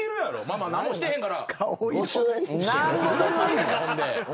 まあ何もしてへんから。